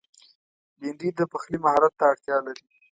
بېنډۍ د پخلي مهارت ته اړتیا لري